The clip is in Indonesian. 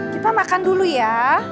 kita makan dulu ya